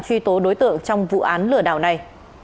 truy tố đối tượng trong vụ án lừa đảo này